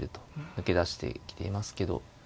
抜け出してきていますけど。